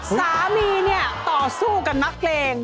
สามีเนี่ยต่อสู้กับนักเลง